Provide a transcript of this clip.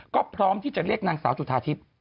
ก็พร้อมที่จะเรียกนางสาวจุธาทิพย์